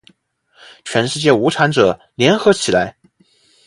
全世界无产者，联合起来！